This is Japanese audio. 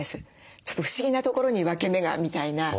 ちょっと不思議な所に分け目がみたいな。